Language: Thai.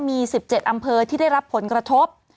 มี๑๗อำเภอที่ได้รับผลกระทบ